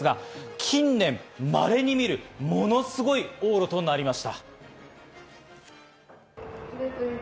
近年稀に見るものすごい往路となりました。